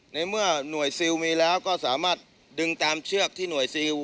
ในเมื่อหน่วยซิลมีแล้วก็สามารถดึงตามเชือกที่หน่วยซิล